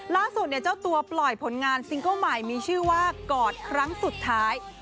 ล่าสุดเจ้าตัวปล่อยผลงานซิงเกิ้ลใหม่มีชื่อว่ากอดครั้งสุดท้าย